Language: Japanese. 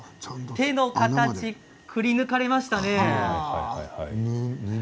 手の形が、くりぬかれましたね。